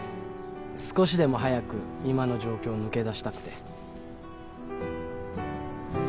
少しでも早く今の状況を抜け出したくて。